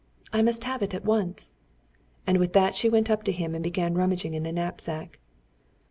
"I must have it at once." And with that she went up to him and began rummaging in the knapsack.